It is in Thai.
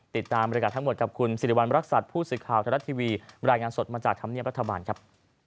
ติดตามบริการทั้งหมดกับคุณสิริวัณรักษัตริย์ผู้สื่อข่าวไทยรัฐทีวีรายงานสดมาจากธรรมเนียบรัฐบาลครับ